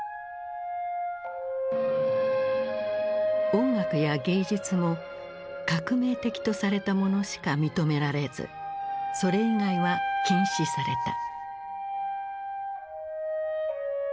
音楽や芸術も「革命的」とされたものしか認められずそれ以外は禁止された。